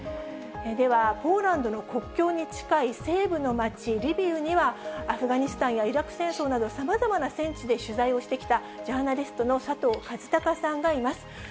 では、ポーランドの国境に近い西部の街リビウには、アフガニスタンやイラク戦争など、さまざまな戦地で取材をしてきた、ジャーナリストの佐藤和孝さんがいます。